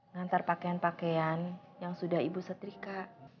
ngantar pakaian pakaian yang sudah ibu setrika